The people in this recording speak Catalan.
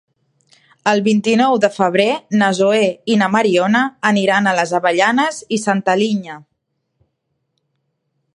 El vint-i-nou de febrer na Zoè i na Mariona aniran a les Avellanes i Santa Linya.